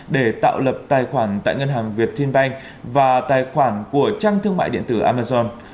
để tạo lập tài khoản tại ngân hàng viettelbank và tài khoản của trang thương mại điện tử amazon